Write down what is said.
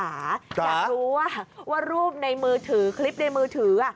อยากรู้ว่ารูปในมือถือคลิปในมือถือ